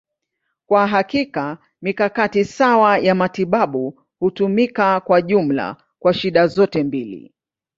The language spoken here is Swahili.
Kwa hakika, mikakati sawa ya matibabu hutumika kwa jumla kwa shida zote mbili.